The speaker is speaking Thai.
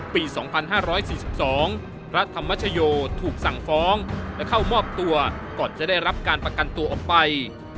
ปี๒๕๔๒พระธรรมชโยถูกสั่งฟ้องและเข้ามอบตัวก่อนจะได้รับการประกันตัวออกไป